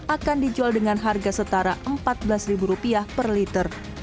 akan dijual dengan harga setara rp empat belas per liter